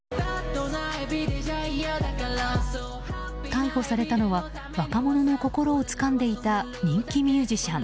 逮捕されたのは若者の心をつかんでいた人気ミュージシャン。